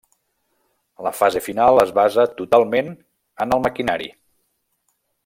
La fase final es basa totalment en el maquinari.